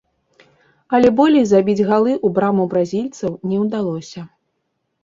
Але болей забіць галы ў браму бразільцаў не удалося.